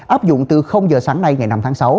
áp dụng từ giờ sáng nay ngày năm tháng sáu